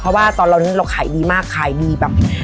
เพราะว่าตอนเราที่นี่เราขายดีมากขายดีแบบ